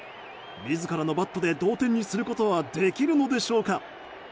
自らのバットで同点にすることはできるのでしょうか。